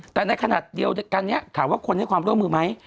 แต่ในขณะเดียวกันนี้ถามว่าคนให้ความร่วมมือไหม